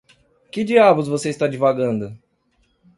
Que diabos você está divagando?